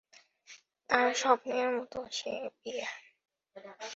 তার স্বপ্নের মতো সে বিয়ে।